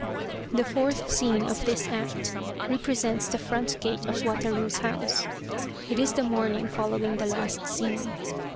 The fourth scene of this Act represents the front gate of Wataru's house. It is the morning following the last scene.